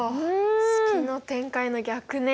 式の展開の逆ね。